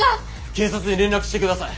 警察に連絡して下さい。